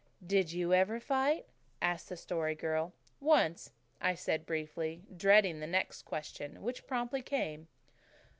"Did you ever fight?" asked the Story Girl. "Once," I said briefly, dreading the next question, which promptly came.